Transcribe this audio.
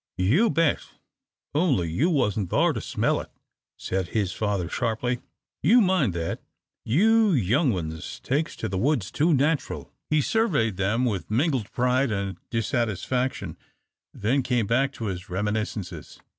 "You bet, only you wasn't thar to smell it," said his father, sharply, "you mind that. You young ones takes to the woods too natural." He surveyed them with mingled pride and dissatisfaction, then came back to his reminiscences.